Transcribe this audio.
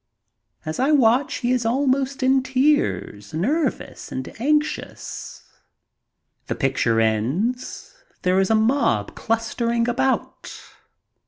As I watch he is almost in tears, nervous and anxious. The picture ends. There is a mob clustering about.